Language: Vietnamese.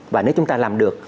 và nếu chúng ta làm được